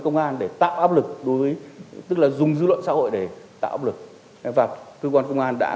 công an để tạo áp lực đối với tức là dùng dư luận xã hội để tạo lực và cơ quan công an đã